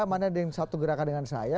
mana yang ada di satu gerakan dengan saya